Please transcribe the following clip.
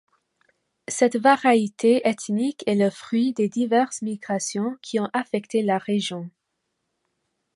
Cette variété ethnique est le fruit des diverses migrations qui ont affecté la région.